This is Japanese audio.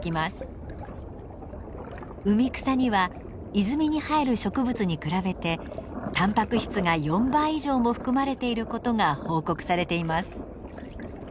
海草には泉に生える植物に比べてたんぱく質が４倍以上も含まれていることが報告されています。